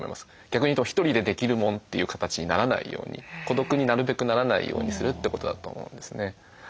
逆に言うと「１人でできるもん」という形にならないように孤独になるべくならないようにするってことだと思うんですね。